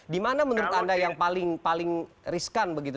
di mana menurut anda yang paling riskan begitu